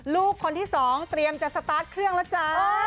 ลูกคนที่สองเตรียมจะสตาร์ทเครื่องแล้วจ้า